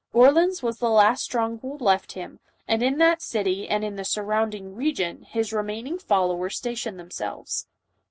Orleans was the last stronghold left him, and in that city and the surround ing region his remaining followers stationed themselves.